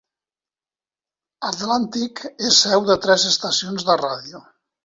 Atlantic és seu de tres estacions de ràdio.